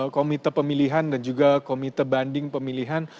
komite pemilihan dan juga komite banding pemilihan